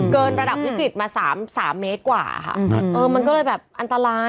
เกินระดับวิกฤตมา๓เมตรกว่ามันก็เลยแบบอันตราย